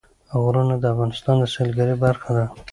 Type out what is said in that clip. غرونه د افغانستان د سیلګرۍ برخه ده.